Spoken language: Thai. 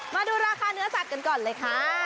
มาดูราคาเนื้อสัตว์กันก่อนเลยค่ะ